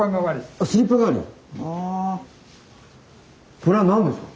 これは何ですか？